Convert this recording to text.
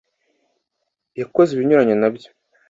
yakoze ibinyuranye na byo